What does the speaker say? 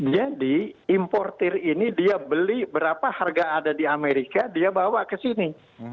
jadi impor tir ini dia beli berapa harga ada di amerika dia bawa ke sini